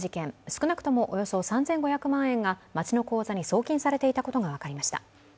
少なくともおよそ３５００万円が町の口座に送金されていたことが分かりました。